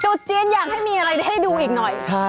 เจียนอยากให้มีอะไรให้ดูอีกหน่อย